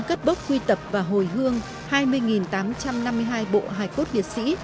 cất bốc quy tập và hồi hương hai mươi tám trăm năm mươi hai bộ hài cốt liệt sĩ